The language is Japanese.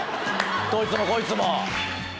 どいつもこいつも！